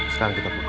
sekarang kita paham